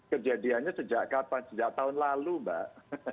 kejadiannya sejak kapan sejak tahun lalu mbak